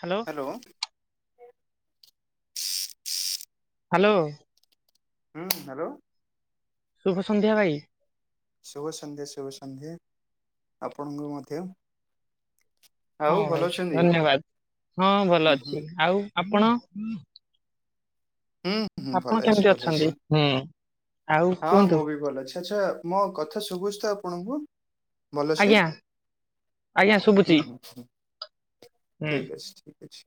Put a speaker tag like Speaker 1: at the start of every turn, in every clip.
Speaker 1: Hello
Speaker 2: [unintelligible]
Speaker 1: hello.
Speaker 2: ହୁଁ hello.
Speaker 1: ଶୁଭ ସନ୍ଧ୍ୟା ଭାଇ।
Speaker 2: ଶୁଭ ସନ୍ଧ୍ୟା ଶୁଭ ସନ୍ଧ୍ୟା ଆପଣଙ୍କୁ ମଧ୍ୟ।
Speaker 1: ହଁ
Speaker 2: ଆଉ ଭଲ
Speaker 1: ଭାଇ
Speaker 2: ଅଛନ୍ତି?
Speaker 1: ଧନ୍ୟବାଦ ହଁ ଭଲ
Speaker 2: ହୁଁ ହୁଁ
Speaker 1: ଅଛି ଆଉ ଆପଣ?
Speaker 2: ହୁଁ ହୁଁ
Speaker 1: ଆପଣ
Speaker 2: ଭଲ ଅଛି
Speaker 1: କେମିତି
Speaker 2: ଭଲ
Speaker 1: ଅଛନ୍ତି
Speaker 2: ଅଛି
Speaker 1: ହୁଁ ଆଉ
Speaker 2: ହଁ
Speaker 1: କୁହନ୍ତୁ
Speaker 2: ମୁଁ ବି ଭଲ ଅଛି। ଆଛା ମୋ କଥା ଶୁଭୁଛି ତ ଆପଣଙ୍କୁ ଭଲସେ।
Speaker 1: ଆଜ୍ଞା ଆଜ୍ଞା ଶୁଭୁଛି
Speaker 2: ହୁଁ ହୁଁ ହୁଁ
Speaker 1: ହୁଁ
Speaker 2: ଠିକ୍ ଅଛି ଠିକ୍ ଅଛି।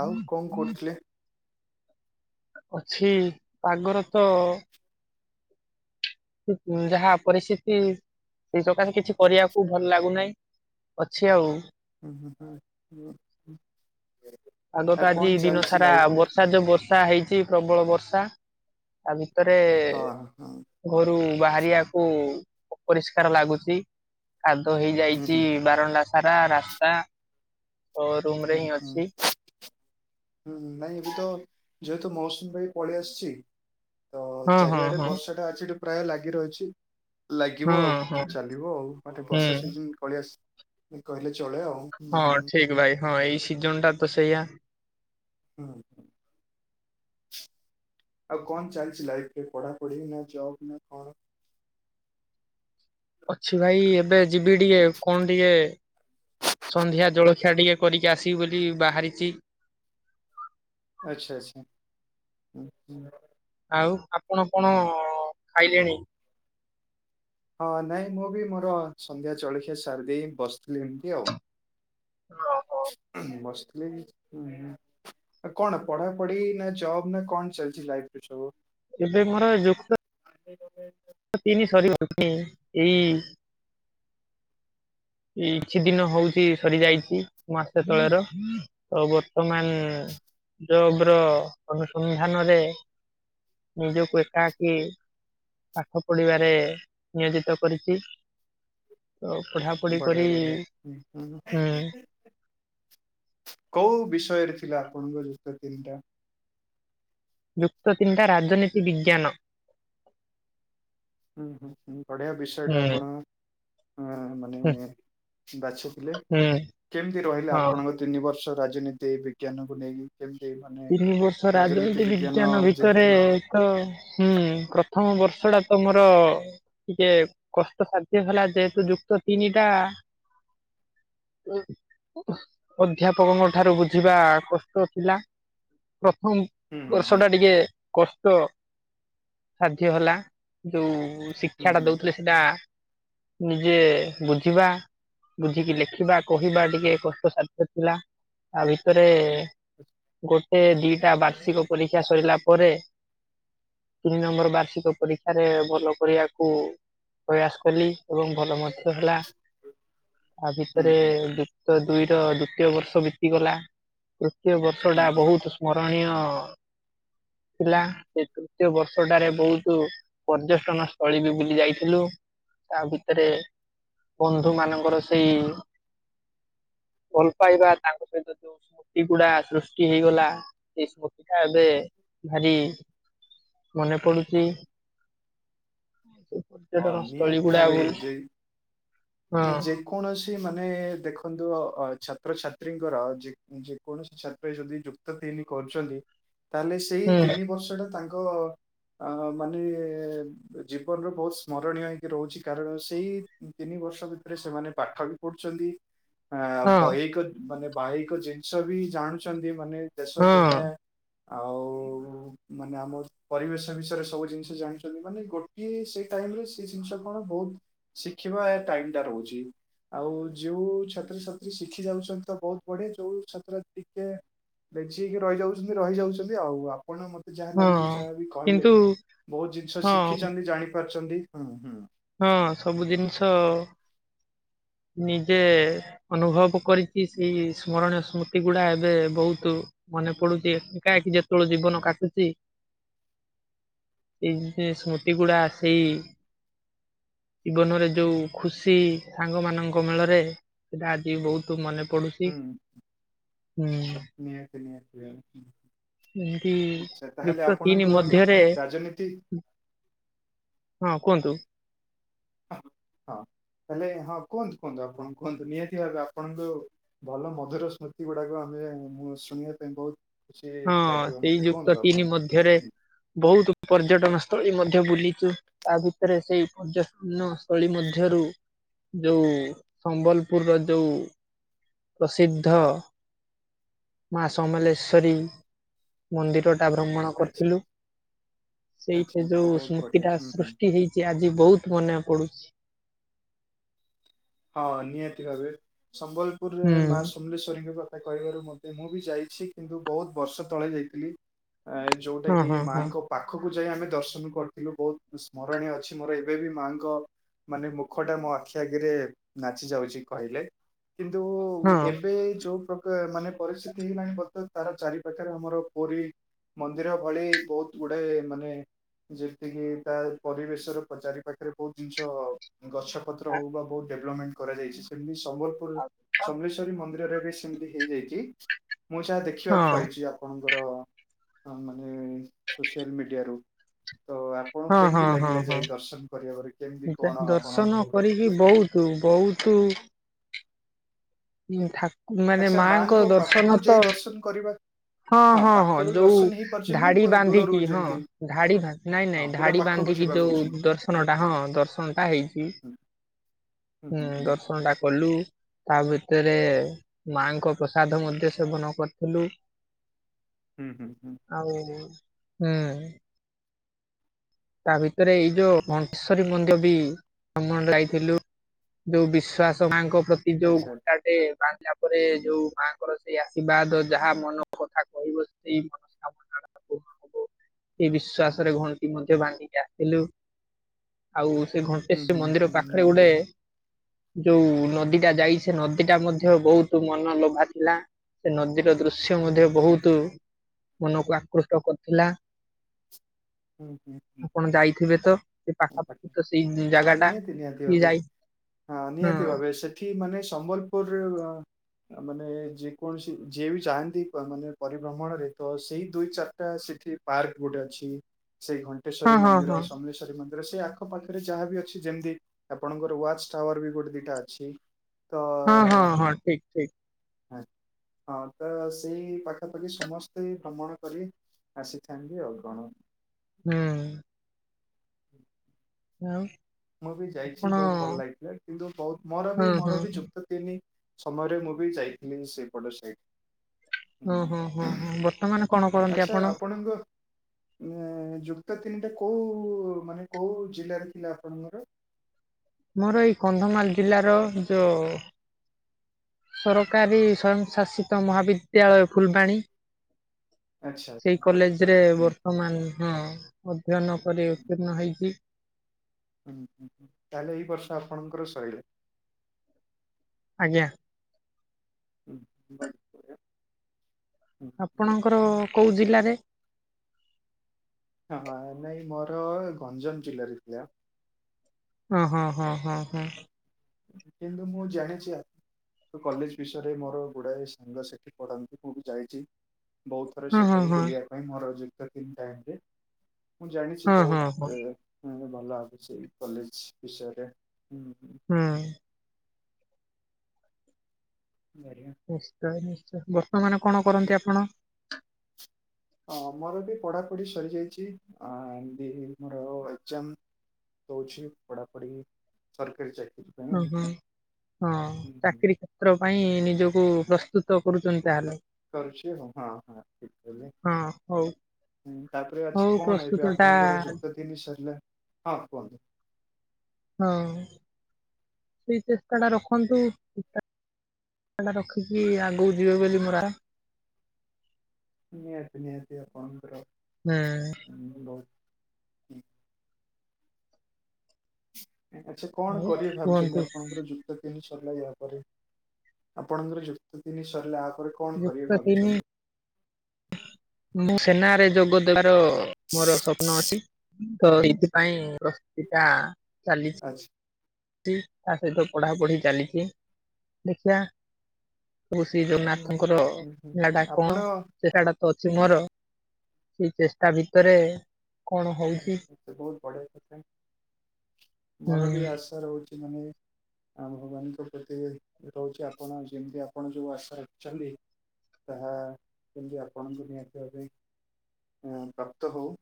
Speaker 2: ଆଉ କଣ କରୁଥୁଲେ?
Speaker 1: ଅଛି ପାଗର ତ ହୁଁ ହୁଁ ଯାହା ପରିସ୍ଥିତି ସେଇ ସକାଶେ କିଛି କରିବାକୁ ଭଲ ଲାଗୁନାଇଁ। ଅଛି ଆଉ।
Speaker 2: ହୁଁ ହୁଁ ହଁ ହଁ ହଁ।
Speaker 1: ପାଗଟା ଆଜି ଦିନ ସାରା ବର୍ଷା ଯୋଉ ବର୍ଷା ହେଇଛି ପ୍ରବଳ ବର୍ଷା। ତା ଭିତରେ
Speaker 2: ହଁ ହଁ
Speaker 1: ଘରୁ ବାହାରିବାକୁ ଅପରିଷ୍କାର ଲାଗୁଚି। କାଦୁଅ
Speaker 2: ହୁଁ
Speaker 1: ହେଇଯାଇଚି
Speaker 2: ହୁଁ।
Speaker 1: ବାରଣ୍ଡା ସାରା ରାସ୍ତା। ଓ ରୁମ ରେ
Speaker 2: ହୁଁ
Speaker 1: ହିଁ
Speaker 2: ହୁଁ।
Speaker 1: ଅଛି
Speaker 2: ହୁଁ ନାଇଁ ଏବେ ତ ଯେହେତୁ ମୌସୁମୀ ଭାଇ ପଳେଇ ଆସିଚି। ତ
Speaker 1: ହଁ ହଁ
Speaker 2: ଚାରିଆଡେ
Speaker 1: ହଁ
Speaker 2: ବର୍ଷା ଟା ଅଛି ପ୍ରାୟ ଲାଗି ରହିଛି। ଲାଗିବ
Speaker 1: ହଁ
Speaker 2: ଆଉ
Speaker 1: ହଁ
Speaker 2: ଚାଲିବ ଆଉ ମାନେ ବର୍ଷା
Speaker 1: ହୁଁ
Speaker 2: ସିଜନି ପଳିଆ ସେ କହିଲେ ଚଳେ ଆଉ।
Speaker 1: ହଁ
Speaker 2: ହୁଁ।
Speaker 1: ଠିକ ଭାଇ ହଁ ଏଇ ସିଜନ ଟା ତ ସେଇଆ।
Speaker 2: ହୁଁ ହୁଁ। ଆଉ କଣ ଚାଲିଚି ଲାଇଫରେ ପଢାପଢି ନା ଜବ୍ ନା କଣ।
Speaker 1: ଅଛି ଭାଇ ଏବେ ଯିବି ଟିକେ କଣ ଟିକେ। ସନ୍ଧ୍ୟା ଜଳଖିଆ ଟିକେ କରିକି ଆସିବି ବୋଲି ବାହାରିଚି।
Speaker 2: ଆଚ୍ଛା ଆଚ୍ଛା।
Speaker 1: ଆଉ ଆପଣ କଣ ଖାଇଲେଣି?
Speaker 2: ହଁ ନାଇଁ ମୁଁ ବି ମୋର ସନ୍ଧ୍ୟା ଚଳଖିଆ ସାରିଦେଇ ବସିଥିଲି ଏମିତି ଆଉ।
Speaker 1: ହଁ ହୁ
Speaker 2: ବସିଥିଲି ହୁଁ ହୁଁ। ଆ କଣ ପଢାପଢି ନା ଜବ ନା କଣ ଚାଲିଚି ଲାଇଫ ସବୁ।
Speaker 1: ଏବେ ମୋର ଯୁକ୍ତ ତିନି ସରିବ ନି ଏଇ ଏଇ କିଛି ଦିନ ହଉଚି ସରିଯାଇଛି ମାସେ ତଳର ତ ବ ବର୍ତ୍ତମାନ ଜବ୍ ର ଅନୁସନ୍ଧାନରେ। ନିଜକୁ ଏକାକି। ପାଠ ପଢିବାରେ ନିୟୋଜିତ କରିଚି ଅ ପଢା
Speaker 2: ବଢିଆ ବଢିଆ ହୁଁ ହୁଁ। କୋଉ ବିଷୟରେ ଥିଲା ଆପଣଙ୍କ ଯୁକ୍ତ ତିନିଟା।
Speaker 1: ଯୁକ୍ତ ତିନିଟା ରାଜନୀତି ବିଜ୍ଞାନ।
Speaker 2: ହୁଁ ହୁଁ ହୁଁ ବଢ଼ିଆ ବିଷୟ
Speaker 1: ହୁଁ
Speaker 2: ଟେ ଆପଣ ହଁ ମା
Speaker 1: ହୁଁ
Speaker 2: [unintelligible] ବାଛୁଥିଲେ
Speaker 1: ହୁଁ।
Speaker 2: କେମିତି ରହିଲା
Speaker 1: ହଁ
Speaker 2: ଆପଣଙ୍କ। ତିନି ବର୍ଷ ରାଜନୀତି ବିଜ୍ଞାନକୁ ନେଇକି। କେମିତି ମାନେ?
Speaker 1: ତିନି ବର୍ଷ ରାଜନୀତି ବିଜ୍ଞାନ ଭିତରେ। ତ ହୁଁ ପ୍ରଥମ ବର୍ଷ ଟା ତ ମର। ଟିକେ କଷ୍ଟ ସାଧ୍ୟ ହେଲା ଯେହେତୁ ଯୁକ୍ତ ତିନି ଟା। ଉଁ ଅଧ୍ୟାପକଙ୍କ ଠାରୁ ବୁଝିବା କଷ୍ଟ ଥିଲା। ପ୍ରଥମ
Speaker 2: ହୁଁ
Speaker 1: ବର୍ଷ
Speaker 2: ହୁଁ
Speaker 1: ଟା ଟିକେ କଷ୍ଟ ସାଧ୍ୟ ହେଲା ଯୋଉ
Speaker 2: ହୁଁ
Speaker 1: ଶିକ୍ଷା ଟା
Speaker 2: ହୁଁ
Speaker 1: ଦଉଥିଲେ। ସେଇଟା ନିଜେ ବୁଝିବା। ବୁଝିକି ଲେଖିବା କହିବା ଟିକେ କଷ୍ଟସାଧ୍ୟ ଥିଲା ତା ଭିତରେ। ଗୋଟେ ଦିଟା ବାର୍ଷିକ ପରୀକ୍ଷା ସଇଲା ପରେ। ତିନି ନମ୍ବର ବାର୍ଷିକ ପରୀକ୍ଷାରେ ଭଲ କରିବାକୁ। ପ୍ରୟାସ କଲି ଏବଂ ଭଲ ମଧ୍ୟ ହେଲା। ଆ
Speaker 2: ହୁଁ
Speaker 1: ଭିତରେ
Speaker 2: ହୁଁ ହୁଁ ହୁଁ
Speaker 1: ଯୁକ୍ତ ଦୁଇର ଦ୍ଵିତୀୟ ବର୍ଷ ବିତିଗଲା ତୃତୀୟ ବ
Speaker 2: ହୁଁ
Speaker 1: ର୍ଷଟା
Speaker 2: ହୁଁ
Speaker 1: ବହୁତ ସ୍ମରଣୀୟ। ଥିଲା ସେ ତୃତୀୟ ବର୍ଷଟାରେ ବହୁତୁ। ପର୍ଯ୍ୟଟନ ସ୍ଥଳୀ ବି ବୁଲି ଯାଇଥିଲୁ ତା ଭିତେରେ। ବନ୍ଧୁ ମାନଙ୍କର ସେଇ ଭଲ ପାଇବା ତାଙ୍କ ସହିତ ଯୋଉ ସ୍ମୃତି ଗୁଡା ସୃଷ୍ କିଏ ହେଇଗଲା ଏସବୁ ପିଠା ଏବେ ଭାରି ମନେ ପଡୁଚି। ସେ
Speaker 2: ହଁ
Speaker 1: ପର୍ଯ୍ୟଟନ ସ୍ଥଳୀ ଗୁଡା ବୁଲ୍
Speaker 2: ୟା ଯେ କୌଣସି ମାନେ ଦେଖନ୍ତୁ ଅ ଛାତ୍ରଛାତ୍ରୀଙ୍କର ଯେ ଯେକୌଣସି ଛାତ୍ର ଯଦି ଯୁକ୍ ଯୁକ୍ତ ତିନି କରୁଛନ୍ତି ତାହେଲେ ସେଇ
Speaker 1: ହୁଁ
Speaker 2: ତିନି ବର୍ଷ ଟା ତାଙ୍କ ଅ ମାନେ ଜୀବନର ବହୁତ ସ୍ମରଣୀୟ ହେଇକି ରହୁଛି କାରଣ ସେଇ ତିନିବର୍ଷ ଭିତରେ ସେମାନେ ପାଠ ବି ପଢୁଛନ୍ତି ଆ
Speaker 1: ହଁ
Speaker 2: ବହିକ ମାନେ ବାହିକ ଜିନିଷ ବି ଜାଣୁଛନ୍ତି ମାନେ ଦେଶ
Speaker 1: ହଁ
Speaker 2: ଦୁନିଆ ଆଉ ମାନେ ଆମ ପରିବେଶ ବିଷୟରେ ସବୁ ଜିନିଷ ଜାଣିଛନ୍ତି ମାନେ ଗୋଟିଏ ସେ ଟାଇମରେ ସେ ଜିନିଷ କଣ ବହୁତ ଦେଖିବା ଏ ଟାଇମ ଟା ରହୁଛି। ଆଉ ଯେଉଁ ଛାତ୍ରଛାତ୍ରୀ ଶିଖି ଯାଉଛନ୍ତି ତ ବହୁତ ବଢ଼େ ଯୋଉ ଛାତ୍ର ଟିକେ ବେଛି ହେଇକି ରହିଯାଉଛନ୍ତି ରହିଯାଉଛନ୍ତି ଆଉ ଆ ଆପଣ ମତେ ଯାହା
Speaker 1: ହଁ
Speaker 2: ଲାଗୁଛି ଯାହାଵି କହିଲେ
Speaker 1: କିନ୍ତୁ
Speaker 2: ବହୁତ ଜିନିଷ
Speaker 1: ହଁ
Speaker 2: ଶିଖିଛନ୍ତି ଜାଣି ପାରିଛନ୍ତି। ହୁଁ ହୁଁ।
Speaker 1: ହଁ ସବୁ ଜିନିଷ ନିଜେ ଅନୁଭବ କରିକି ସେଇ ସ୍ମରଣୀୟ ସ୍ମୃତି ଗୁଡା ଏବେ ବହୁତ ମନେ ପଡୁଛି ଏକାଁକି ଯେତେବେଳେ ଜୀବନ କାଟୁଚି ଏଇ ସ୍ମୃତି ଗୁଡା ସେଇ। ଜୀବନରେ ଯୋଉ ଖୁସି ସାଙ୍ଗ ମାନଙ୍କ ମେଳରେ ସେଟା ଆଜି ବହୁତ ମନେ ପଡୁଛି।
Speaker 2: ହୁଁ
Speaker 1: ହୁଁ
Speaker 2: ନିହାତି ନିହାତି ଭାବେ।
Speaker 1: ଏମିତି ଯୁକ୍ତ ତିନି ମଧ୍ୟରେ
Speaker 2: ରାଜନୀତି
Speaker 1: ହଁ କୁହନ୍ତୁ।
Speaker 2: ହ ହଁ ହେଲେ ହଁ କୁହନ୍ତୁ କୁହନ୍ତୁ ଆପଣ କୁହନ୍ତୁ ନିହାତି ଭାବେ ଆପଣ ଯ ଭଲ ମଧୁର ସ୍ମୃତି ଗୁଡାକ ଆମେ ଶୁଣିବା ପାଇଁ ବହୁତ ଖୁସି
Speaker 1: ହଁ
Speaker 2: ଲାଗିବ
Speaker 1: ସେଇ
Speaker 2: ମତେ କୁହନ୍ତୁ
Speaker 1: ଯୁକ୍ତ ତିନି
Speaker 2: ଆପଣ।
Speaker 1: ମଧ୍ୟରେ
Speaker 2: ହୁଁ,
Speaker 1: ବହୁତ ପର୍ଯ୍ୟଟନ ସ୍ଥଳୀ ମଧ୍ୟ ବୁଲିଛୁ। ତା ଭିତରେ ସେଇ ପର୍ଯ୍ୟଟନ ସ୍ଥଳୀ ମଧ୍ୟରୁ ଯୋଉ ସମ୍ବଲପୁରର ଯୋଉ ପ୍ରସିଦ୍ଧ ମା ସମଲେଶ୍ଵରୀ ମନ୍ଦିର ଟା ଭ୍ରମଣ
Speaker 2: ଆଚ୍ଛା
Speaker 1: କରିଥିଲୁ
Speaker 2: ଆଚ୍ଛା
Speaker 1: ସେଇଠି
Speaker 2: ଆଚ୍ଛା
Speaker 1: ଯୋଉ
Speaker 2: ବହୁତ
Speaker 1: ସ୍ମୃତି
Speaker 2: ବଢିଆ
Speaker 1: ଟା
Speaker 2: ହୁଁ ହୁଁ
Speaker 1: ସୃଷ୍ଟି ହେଇ ଚି ଆଜି ବହୁତ ମନେ ପଡୁଛି।
Speaker 2: ହଁ ନିହାତି ଭାବେ ସମ୍ବଲପୁରରେ ମା
Speaker 1: ହୁଁ
Speaker 2: ସମୋଲେଶ୍ୱରୀଙ୍କ ପାଖ କହିବାରୁ ମତେ ମୁଁ ବି ଯାଇଛି କିନ୍ତୁ ବହୁତ ବର୍ଷ ତଳେ ଯାଇଥିଲି। ଯଉଟା
Speaker 1: ହଁ
Speaker 2: କି
Speaker 1: ହଁ
Speaker 2: ମା
Speaker 1: ହଁ
Speaker 2: ଙ୍କ ପାଖକୁ ଯାଇ ଆମେ ଦର୍ଶନ କରିଥିଲୁ ବହୁତ ସ୍ମରଣୀୟ ଅଛି ମୋର ଏବେ ବି ମା ଙ୍କ ମାନେ ମୁଖଟା ମୋ ଆଖି ଆଗରେ ନାଚି ଯାଉଛି କହିଲେ କିନ୍ତୁ
Speaker 1: ହଁ
Speaker 2: ଏବେ ଯୋଉ ପ୍ରକାର ମାନେ ପରିସ୍ଥିତି ହେଲାଣି ବତେ ତାର ଚାରି ପାଖରେ ଆମର ପୁରୀ ମନ୍ଦିର ଭଳି ବହୁତ ଗୁଡେ ମାନେ ଯେମିତିକି ତା ପରିବେଶର ଚାରି ପାଖରେ ବହୁତ ଜିନିଷ ଗଛ ପତ୍ର ହଉ ବା ବହୁତ ଡେଭଲପମେଣ୍ଟ କରାଯାଇଛି ସେମିତି ସମ୍ବଲପୁର ସମଲେଶ୍ୱରୀ ମନ୍ଦିର ବି ସେମିତି ହେଇଯାଇଛି ମୁଁ ଯାହା
Speaker 1: ହଁ
Speaker 2: ଦେଖିବାକୁ ପାଇଛି ଆପଣଙ୍କର ମାନେ ସୋସିଆଲ ମିଡ଼ିଆରୁ ତ ଆପଣ
Speaker 1: ହଁ
Speaker 2: କେମିତି
Speaker 1: ହଁ ହଁ
Speaker 2: ଲାଗିଲେ
Speaker 1: ହଁ।
Speaker 2: ଯାଇ ଦର୍ଶନ କରିବା ପରେ କେମିତି କଣ ଆପଣ ଅନୁଭବ ରଖିଥିଲେ?
Speaker 1: ତ ବହୁତ ଠାକୁ ମାନେ
Speaker 2: ଆଚ୍ଛା
Speaker 1: ମାଙ୍କ ଦର୍ଶନ
Speaker 2: ପାଖକୁ
Speaker 1: ତ
Speaker 2: ଯାଇ ଦର୍ଶନ କରିବା
Speaker 1: ହଁ ହଁ ହଁ
Speaker 2: ପାଖରୁ
Speaker 1: ଯୋଉ
Speaker 2: ଦର୍ଶନ ହେଇପାରୁଛି ନା
Speaker 1: ଧାଡି
Speaker 2: ପୁରା ଦୂରରୁ
Speaker 1: ବାନ୍ଧିକି ହଁ
Speaker 2: ଯେମିତି
Speaker 1: ଧାଡି ନାଇଁ
Speaker 2: ହଁ
Speaker 1: ନାଇଁ।
Speaker 2: ପୁରା
Speaker 1: ଧାଡ଼ି
Speaker 2: ପାଖକୁ
Speaker 1: ବାନ୍ଧିକି
Speaker 2: ଯିବା
Speaker 1: ଯୋଉ
Speaker 2: କହୁଛି।
Speaker 1: ଦର୍ଶନଟା ହଁ ଦର୍ଶନଟା ହେଇଛି।
Speaker 2: ହୁଁ
Speaker 1: ହୁଁ ଦର୍ଶନ ଟା କଲୁ ତା ଭିତ ସେରେ ମାଙ୍କ ପ୍ରସାଦ ମଧ୍ୟ ସେବନ କରିଥିଲୁ।
Speaker 2: ହୁଁ ହୁଁ ହୁଁ।
Speaker 1: ଆଉ ହୁଁ। ତା ଭିତରେ ଏଇ ଯୋଉ ଅଂଶରୀ ମନ୍ଦ୍ୟ ବି ଭମଣ ଯାଇଥିଲୁ। ଯୋଉ ବିଶ୍ୱାସ ମାଙ୍କ ପ୍ରତି ଯୋଉ
Speaker 2: ଆଚ୍ଛା
Speaker 1: ଘଣ୍ଟା ବାନ୍ଧିଲା ପରେ ଯୋଉ ମାଙ୍କର ସେଇ ଆଶୀବାଦ ଯାହା ମନ କଥା କ ରହିବ ସେଇ ମନସ୍କାମନା ପୁରଣ ହବ ସେଇ ବିଶ୍ଵାସରେ [unintelligible] ବାନ୍ଧିକି ଆସିଲୁ ଆଉ ସେ
Speaker 2: ହୁଁ
Speaker 1: ଘଣ୍ଟେଶୂ
Speaker 2: ହୁଁ
Speaker 1: ମନ୍ଦିର
Speaker 2: ହୁଁ
Speaker 1: ପାଖରେ
Speaker 2: ନିହାତି
Speaker 1: ଗୋଟେ।
Speaker 2: ଭାବେ।
Speaker 1: ଯୋଉ ନଦୀଟା ଯାଇଛି ସେ ନଦୀ ଟା ମଧ୍ୟ ବହୁତ ମନ ଲୋଭା ଥିଲା। ସେ ନଦୀର ଦୃଶ୍ୟ ମଧ୍ୟ
Speaker 2: ହଁ,
Speaker 1: ବହୁତ ମନକୁ ଆକୃଷ୍ଟ କରୁଥିଲା।
Speaker 2: ହୁଁ ହୁଁ। ହୁଁ,
Speaker 1: ଆପଣ ଯାଇଥିବେ ତ ସେ
Speaker 2: ହୁଁ,
Speaker 1: ପାଖାପାଖି
Speaker 2: ବଢ଼ିଆ।
Speaker 1: ତ ସେଇ
Speaker 2: ହଁ
Speaker 1: ଜାଗା ଟା
Speaker 2: ନିହାତି ନିହାତି ଭାବେ
Speaker 1: ଯାଇ
Speaker 2: ହଁ ନିହାତି
Speaker 1: ହଁ
Speaker 2: ଭାବେ ସେଠି ମାନେ ସମ୍ବଲପୁର ମାନେ ଯେ କୌଣସି ଯିଏ ବି ଚାହାନ୍ତି ମାନେ ପରିଭ୍ରମଣରେ ତ ସେଇ ଦୁଇ ଚାଟା ସେଠି ପାର୍କ ଗୋଟେ ଅଛି ସେଇ ଘଣ୍ଟେଶ୍ଵରୀ
Speaker 1: ହଁ ହଁ
Speaker 2: ମନ୍ଦିର,
Speaker 1: ହଁ
Speaker 2: ସମଲେଶ୍ରୀ ମ ସେ ଆଖ ପାାଖରେ ଯାହା ବିି ଅଛି ଯେମିତି ଆପଣଙ୍କର ୱାଚ ଟାୱାର ବି ଗୋଟେ ଦିଟା ଅଛି। ତ
Speaker 1: ହଁ ହଁ ହଁ ଠିକ ଠିକ୍।
Speaker 2: ହଁ ତ ସେଇ ପାଖାପାଖି ସମସ୍ତେ ଭ୍ରମଣ କରି। ଆସିଥାନ୍ତି ଆଉ କଣ।
Speaker 1: ହୁଁ।
Speaker 2: ହୁଁ
Speaker 1: ଆଉ।
Speaker 2: ମୁଁ ବି ଯାଇଛି
Speaker 1: ଆପଣ
Speaker 2: ବହୁତ ଭଲ ଲାଗିଥିଲା କିନ୍ତୁ ବହୁତ ମୋର ବି
Speaker 1: ହଁ ହଁ
Speaker 2: ମୋର ବି ଯୁତ ତିନି ସମୟରେ ମୁଁ ବି ଯାଇଥିଲି ସେପଟେ ସେଇଠ।
Speaker 1: ଓ ହଁ ହଁ ହଁ ବଟ
Speaker 2: ଆଚ୍ଛା ଆପଣଙ୍କ ଉ ଯୁକ୍ତ ତିନିଟା କୋଉ ମାନେ କୋଉ ଜିଲ୍ଲାରେ ଥିଲା ଆପଣଙ୍କର?
Speaker 1: ମୋର ଏଇ କନ୍ଧମାଳ ଜିଲ୍ଲାର ଯଉ ସରକାରୀ ସୂୟଂ ଶାସିତ ମହାବିଦ୍ୟାଳୟ ଫୁଲବାଣୀ।
Speaker 2: ଆଚ୍ଛା
Speaker 1: ସେଇ
Speaker 2: ଆଚ୍ଛା ବଢିଆ
Speaker 1: କଲେଜ ରେ
Speaker 2: ବଢିଆ ହୁଁ
Speaker 1: ବତ ମାନ ହଁ ଅଧ୍ୟୟନ ପରେ
Speaker 2: ହୁଁ
Speaker 1: ଉତ୍ତୀର୍ଣ୍ଣ ହେଇଛି।
Speaker 2: ହୁଁ ହୁଁ ହୁଁ ତାହେଲେ ଏଇ ବର୍ଷ ଆପଣଙ୍କର ଶୈଳା।
Speaker 1: ଆଜ୍ଞା
Speaker 2: ହୁଁ [unintelligible]
Speaker 1: ଆପଣଙ୍କର କୋଉ ଜିଲ୍ଲାରେ?
Speaker 2: ହଁ ନାଇଁ ମୋର ଗଞ୍ଜାମ ଜିଲ୍ଲାରେ ଥିଲା।
Speaker 1: ଓ ହଁ ହଁ ହଁ ହଁ।
Speaker 2: କିନ୍ତୁ ମୁଁ ଜାଣିଛି ଆ ତ କଲେଜ ବିଷୟରେ ମୋର ଗୁଡାଏ ସାଙ୍ଗ ସେଠି ପଢାନ୍ତି ମୁଁ ବି ଯାଇଛି। ବହୁତ ଥର
Speaker 1: ହଁ ହଁ
Speaker 2: ସେଠାକୁ
Speaker 1: ହଁ
Speaker 2: ବୁଲିବା ପାଇଁ ମୋର ଯୁକ୍ତ ତିନ ଟାଇମ ରେ। ମୁଁ ଜାଣିଛି
Speaker 1: ହଁ ହଁ ହଁ ହୁଁ।
Speaker 2: ବହୁତ ଭଲ ଭାବୁଛି ଏଇ କଲେଜ ବିଷୟରେ ହୁଁ ହୁଁ।
Speaker 1: ହୁଁ।
Speaker 2: ବଢ଼ିଆ।
Speaker 1: ନିତଃୟ ନିଶ୍ଚୟ ବର୍ତ୍ତମାନ କଣ କରନ୍ତି ଆପଣ?
Speaker 2: ହଁ ମୋର ଏବେ ପଢ଼ାପଢି ସରିଯାଇଛି ଏମତି ମୋର ଏକ୍ଜାମ ଦଉଛି, ପଢାପଢି ସରକାରୀ ଚାକିରି। ପାଇଁ
Speaker 1: ହୁଁ
Speaker 2: ଆଉ।
Speaker 1: ହୁଁ, ହଁ
Speaker 2: ହୁଁ ହୁଁ।
Speaker 1: ଚାକିରି ସା କରିବା ପାଇଁ ନିଜକୁ ପ୍ରସ୍ତୁତ କରୁଛନ୍ତି ତାହେଲେ?
Speaker 2: କରୁଛି ଆଉ। ହଁ ହଁ ଠିକ କହିଲେ।
Speaker 1: ହଁ ହଉ।
Speaker 2: ହୁଁ ତାପରେ
Speaker 1: ହଉ
Speaker 2: ଅଛି କଣ?
Speaker 1: ପ୍ରସ୍ତୁତ
Speaker 2: ଏବେ
Speaker 1: ଟା
Speaker 2: ଆପଣଙ୍କର ଯୁକ୍ତ ତିନି ସରିଲା। ହଁ କୁହନ୍ତୁ।
Speaker 1: ହଁ। ସେଇ ଚେଷ୍ଟା ଟା ରଖନ୍ତୁ। ଚେଷ୍ଟା ଟା ରଖିକି ଆଗକୁ ଯିବେ ବୋଲି ମୋର ଆ
Speaker 2: ନିହାତି, ନିହାତି ଆପଣଙ୍କର
Speaker 1: ହୁଁ।
Speaker 2: ହୁଁ ବହୁ ଆଚ୍ଛା କଣ
Speaker 1: ହୁଁ
Speaker 2: କରିବେ
Speaker 1: ଆଉ
Speaker 2: ଭାବୁଛନ୍ତି,
Speaker 1: କୁହନ୍ତୁ
Speaker 2: ଆପଣଙ୍କର ଯୁକ ଯୁକ୍ତ ତିନି ସରିଲାଣି ଆପରେ, ଆପଣଙ୍କର ଯୁକ୍ତ ତିନି ସରିଲା ଆପରେ କ କଣ
Speaker 1: ଯୁକ୍ତ
Speaker 2: କରିବେ
Speaker 1: ତିନି
Speaker 2: ଭାବିଛନ୍ତି?
Speaker 1: ମୁଁ ସେନାରେ ଯୋଗ ଦେବାର ମୋର ସ୍ୱପ୍ନ ଅଛି। ତ ଏଇଥିରୁ ପାଇଁ ପ୍ରସ୍ତିତା ଚାଲି
Speaker 2: ଆଚ୍ଛ
Speaker 1: ତା ସହିତ ପଢାପଢି ଚାଲିଛି, ଦେଖିଆ। ପ୍ରଭୁ ଶ୍ରୀ
Speaker 2: ନିହାତି।
Speaker 1: ଜଗନ୍ନାଥଙ୍କର
Speaker 2: ହୁଁ ହୁଁ ହୁଁ।
Speaker 1: ଲୀଳାଟା
Speaker 2: ଆପଣ
Speaker 1: କଣ?
Speaker 2: ଆଚ୍ଛା,
Speaker 1: ସେ ସଟାକୁ ଅଛି ମୋର, ସେ ଚେଷ୍ଟା ଭିତରେ କଣ ହଉଛି
Speaker 2: ବହୁତ ବଢିଆ କଥା।
Speaker 1: ହୁଁ
Speaker 2: ମୋର ବି ଆଶା ରହୁଛି ମାନେ ଆ ଭଗବାନଙ୍କ ପ୍ରତି ରହୁଛି, ଆପଣ ଯେମିତି ଆପଣ ଯୋଉ ଆଶା ରଖିଛନ୍ତି ତାହା କେମିତି ଆପଣଙ୍କୁ ନିହାତି ଭାବେ ପ୍ରାପ୍ତ ହୋଉ।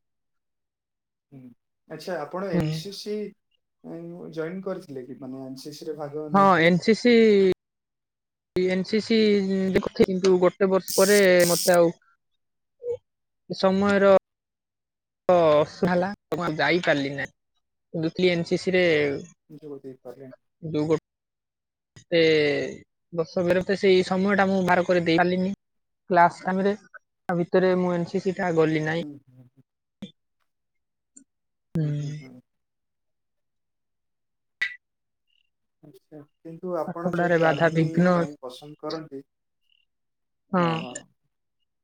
Speaker 2: ହୁଁ, ଆଚ୍ଛା ଆପଣ
Speaker 1: ହୁଁ
Speaker 2: ଏନ ସି ସି ଉଁ ଜଏନ୍ କରିଥିଲେ କି? ମାନେ ଏନ ସି ସି ରେ ଭାଗ
Speaker 1: ହଁ
Speaker 2: ନେଇଥିଲେ?
Speaker 1: ସି ସି ଏଇ ଏନ ସି ସି ଦେଖୁ, କିନ୍ତୁ ଗୋଟେ ବର୍ଷ ପରେ ମତେ ଆଉ ସମୟର ତ ଅର୍ଶ ହେଲା, ତ ମୁଁ ଆଉ ଯାଇପାରିଲି ନାହିଁ। ଏନ ସି ସି ରେ
Speaker 2: ଯୋଗୋ ଦେଇ ପାରିବା।
Speaker 1: ଦୁ ଗୋଟ ଟେ ବର୍ଷକରେ ତ ସେଇ ସମୟ ଟା ମୁଁ ବାହାର କରି ଦେଇ ପାରିଲିନି। କ୍ଲାସ ଟାଇମରେ ତା ଭିତରେ ମୁଁ ଏନ ସି ସି ଟା ଗଲିିନି।
Speaker 2: ହୁଁ ହୁଁ ହୁଁ। ହୁଁ ହୁଁ ହୁଁ। ଆଚ୍ଛା, କିନ୍ତୁ
Speaker 1: ପାଠ
Speaker 2: ଆପଣ
Speaker 1: ପଢାରେ
Speaker 2: ଯେହେତୁ
Speaker 1: ବାଧା
Speaker 2: ଆର୍ମି
Speaker 1: ବିଘ୍ନ
Speaker 2: ପାଇଁ ପସନ୍ଦ କରନ୍ତି
Speaker 1: ହଁ।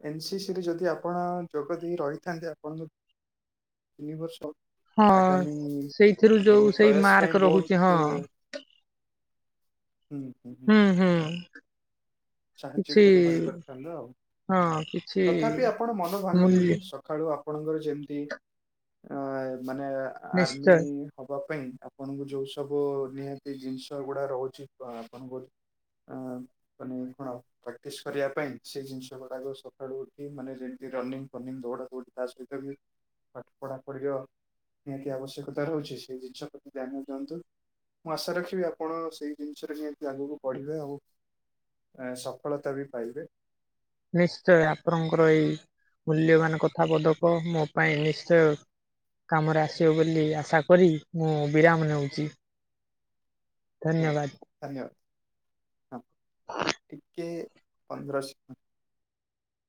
Speaker 2: ଏନ୍ ସି ସିରେ ଯଦି ଆପଣ ଯୋଗ ଦେଇ ରହିଥାନ୍ତେ, ଆପଣଙ୍କୁ ତିନିିବର୍ଷ
Speaker 1: ହଁ।
Speaker 2: ଆଗାମୀ
Speaker 1: ସେଇଥିରୁ ଯୋଉ
Speaker 2: ମାନେ
Speaker 1: ସେଇ
Speaker 2: ପ୍ରୟାସ
Speaker 1: ମାର୍କ
Speaker 2: ପାଇଁ
Speaker 1: ରହୁଛି ହଁ
Speaker 2: ବହୁତ ହୁଁ ହୁଁ।
Speaker 1: ହୁଁ ହୁଁ। କିଛି
Speaker 2: ସାହାଯ୍ୟକାରୀ ହୋଇପାରିଥାନ୍ତୁ ଆଉ।
Speaker 1: ହଁ କିଛି
Speaker 2: ତଥାପି ଆପଣ ମନ
Speaker 1: ମୂଲ୍ୟ
Speaker 2: ଭାଙ୍ଗନ୍ତୁନି। ସକ ସଖାଳୁ ଆପଣଙ୍କର ଯେମିତି, ଅ ମାନେ
Speaker 1: ନିଶ୍ଚୟ।
Speaker 2: ଆର୍ମି ହବା ପାଇଁ ଆପଣଙ୍କୁ ଯୋଉ ସବୁ ନିହାତି ଜିନିଷ ଗୁଡା ରହୁଛି, ଆପଣଙ୍କ [unintelligible] ଆପଣ ପ୍ରାକ୍ଟିସ୍ କରିବା ପାଇଁ, ସେ ଜିନିଷ ଗୁଡାକ ସକାଳୁ ଉଠି, ମାନେ ଯେମିତି ରନିଙ୍ଗ ଫନିଙ୍ଗ ଦୌଡା ଦୌଡ଼ି ତା ସହିତ ବି ପାଠ ପଢା ପଢିର ନିହାତି ଆବଶ୍ୟକତା ରହୁଛି ସେଇ ଜିନିଷ ପ୍ରତି ଧ୍ୟାନ ଦିଅନ୍ତୁ। ମୁଁ ଆଶା ରଖିବି ଆପଣ ସେଇ ଜିନିଷରେ ନିହାତି ଆଗକୁ ବଢିବେ ଆଉ ସଫଳତା ବି ପାଇବେ
Speaker 1: ନିଶ୍ଚୟ ଆପଣଙ୍କର ଏଇ ମୂଲ୍ୟବାନ କଥା ପଦକ ମୋ ପାଇଁ ନିଶ୍ଚୟ କାମରେ ଆସିବ ବୋଲି ଆଶା କରି ମୁଁ ବିରାମ ନେଉଛି। ଧନ୍ୟବାଦ।
Speaker 2: ନିହାତି ଧନ୍ୟବାଦ ହଁ ଟିକେ ପନ୍ଦରଶତ